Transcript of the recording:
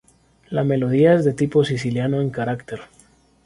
La melodía es de tipo siciliano en carácter.